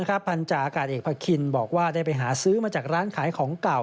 พันธาอากาศเอกพระคินบอกว่าได้ไปหาซื้อมาจากร้านขายของเก่า